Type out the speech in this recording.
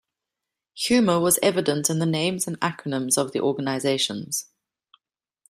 Humour was evident in the names and acronyms of the organizations.